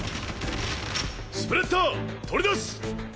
スプレッダー取り出し。